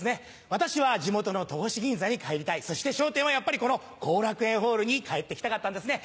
私は地元の戸越銀座に帰りたいそして『笑点』はやっぱりこの後楽園ホールに帰って来たかったんですね。